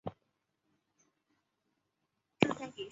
粟末靺鞨得名。